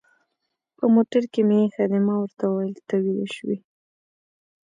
په موټر کې مې اېښي دي، ما ورته وویل: ته ویده شوې؟